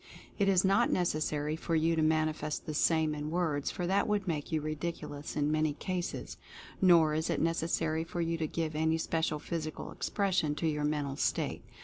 It is not necessary for you to manifest the same in words, for that would make you ridiculous in many cases; nor is it neces sary for you to give any special physical expression to your mental state.